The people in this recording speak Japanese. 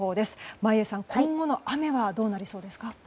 眞家さん、今後の雨はどうなりそうですか？